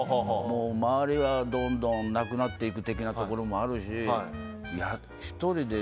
周りはどんどんなくなっていくところもあるし。